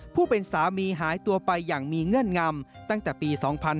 ผู้เป็นสามีหายตัวไปอย่างมีเงื่อนงำตั้งแต่ปี๒๕๕๙